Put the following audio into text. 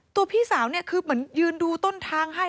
พี่สาวเนี่ยคือเหมือนยืนดูต้นทางให้